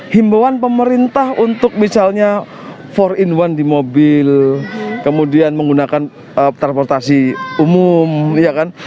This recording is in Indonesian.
himbawan pemerintah untuk misalnya empat in satu di mobil kemudian menggunakan transportasi umum ya kan